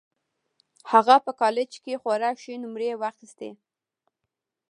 هغه په کالج کې خورا ښې نومرې واخيستې